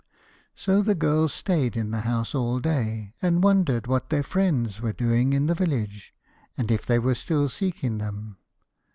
So the girls stayed in the house all day, and wondered what their friends were doing in the village, and if they were still seeking them.